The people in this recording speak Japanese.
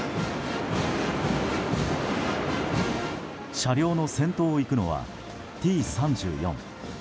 車両の先頭を行くのはＴ３４。